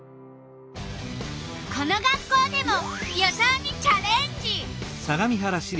この学校でも予想にチャレンジ！